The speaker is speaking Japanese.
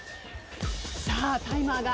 さあタイマーが。